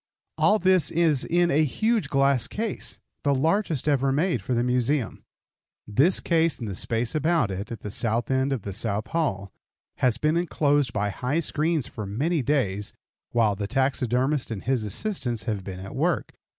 All this is in a huge glass case, the largest ever made for the Museum. This case and the space about it, at the south end of the south hall, has been inclosed by high screens for many days while the taxidermist and his assistants have been at work.